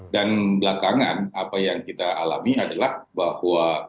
dan belakangan apa yang kita alami adalah bahwa